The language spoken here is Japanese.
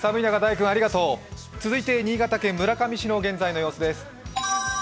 続いて新潟県村上市の現在の様子です。